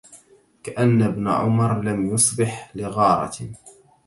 كأن ابن عمرو لم يصبح لغارة